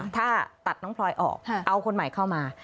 ถ้าตัดน้องพลอยออกเอาคนใหม่เข้ามา